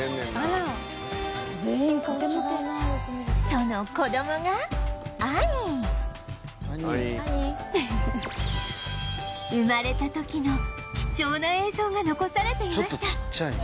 その子どもが生まれた時の貴重な映像が残されていました